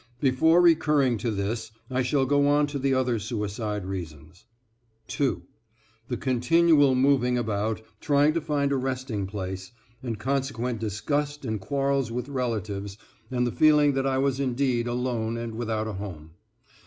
Before recurring to this, I shall go on to the other suicide reasons. (2) The continual moving about trying to find a resting place, and consequent disgust and quarrels with relatives, and the feeling that I was indeed alone and without a home.